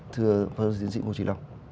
thưa phó giáo sư tiến sĩ ngô trí long